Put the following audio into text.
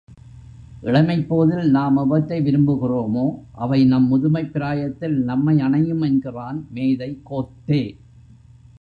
இளமைப் போதில் நாம் எவற்றை விரும்புகிறோமோ, அவை நம் முதுமைப் பிராயத்தில் நம்மை அணையும் என்கிறான் மேதை கோத்தே.